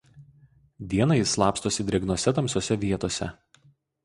Dieną jie slapstosi drėgnose tamsiose vietose.